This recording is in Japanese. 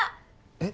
えっ？